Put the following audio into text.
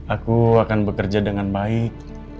aku akan bekerja dengan baik